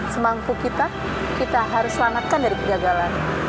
semangku kita kita harus selamatkan dari kegagalan